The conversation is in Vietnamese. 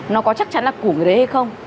nó có chắc chắn là của người đấy hay không